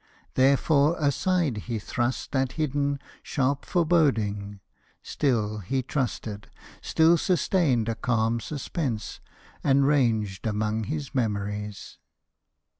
Therefore aside He thrust that hidden, sharp foreboding: still He trusted, still sustained a calm suspense, And ranged among his memories.